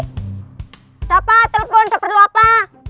gapapa telepon gapernah apa